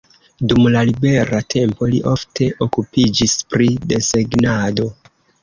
Dum la libera tempo li ofte okupiĝis pri desegnado.